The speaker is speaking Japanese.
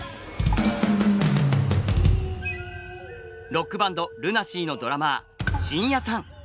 ロックバンドＬＵＮＡＳＥＡのドラマー真矢さん。